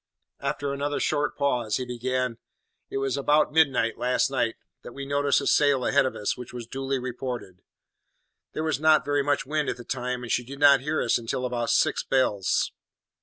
After another short pause, he began: "It was about midnight, last night, that we noticed a sail ahead of us, which was duly reported. There was not very much wind at the time, and she did not near us until about six bells.